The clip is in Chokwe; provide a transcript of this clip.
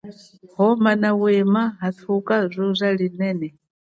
Homa nawema hathuka zuza linene.